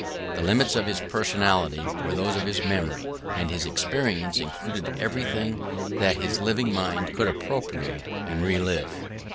The limits of his personality were those of his memory, and his experience included everything that his living mind could appropriate and re live.